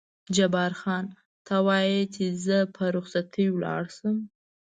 جبار خان: ته وایې چې زه په رخصتۍ ولاړ شم؟